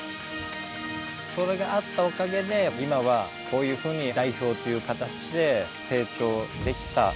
それがあったおかげで今は、こういうふうに代表という形で成長できた。